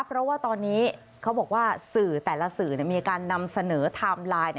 เพราะว่าตอนนี้เขาบอกว่าสื่อแต่ละสื่อมีการนำเสนอไทม์ไลน์